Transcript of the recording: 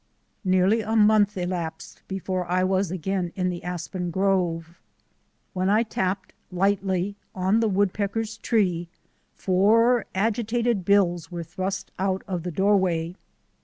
Nearly a month elapsed before I was again in the aspen grove. When I tapped lightly on the woodpeckers' tree four agitated bills were thrust out of the doorway.